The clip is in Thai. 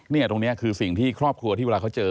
ตรงนี้คือสิ่งที่ครอบครัวที่เวลาเขาเจอ